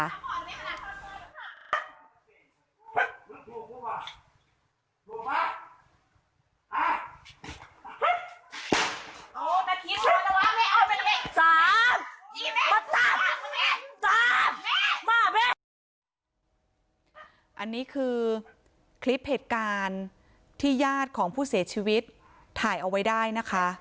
อันนี้คือคลิปเหตุการณ์ที่ญาติของผู้เสียชีวิตถ่ายเอาไว้ได้นะคะ